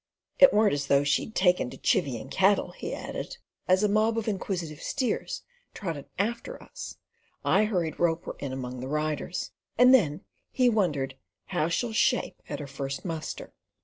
"It weren't as though she'd taken to chivying cattle," he added, as, a mob of inquisitive steers trotting after us, I hurried Roper in among the riders; and then he wondered "how she'll shape at her first muster."